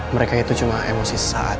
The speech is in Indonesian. mereka itu cuma emosi sesaat